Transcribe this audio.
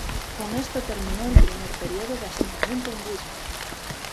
Con esto terminó el primer periodo de asentamiento en Wismar.